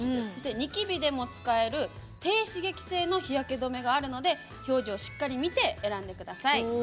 ニキビでも使える低刺激性の日焼け止めがあるので表示をしっかり見て選んでください。